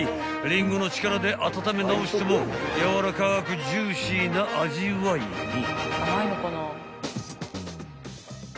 ［リンゴの力で温め直してもやわらかくジューシーな味わいに］